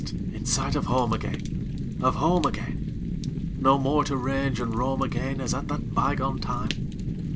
In sight of home again, Of home again; No more to range and roam again As at that bygone time?